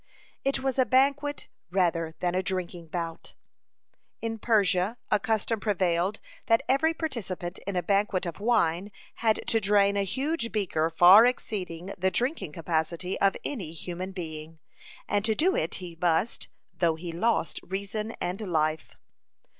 It was a banquet rather than a drinking bout. (22) In Persia a custom prevailed that every participant in a banquet of wine had to drain a huge beaker far exceeding the drinking capacity of any human being, and do it he must, though he lost reason and life.